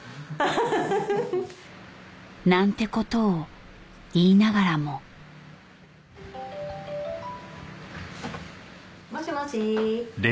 ハハハ。なんてことを言いながらももしもし？